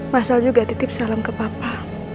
mas al juga titip salam ke papa